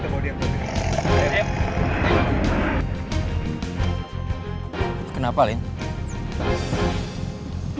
kamu mau kemana